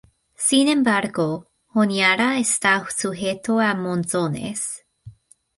Sin embargo, Honiara está sujeto a monzones.